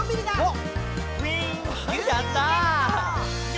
やった！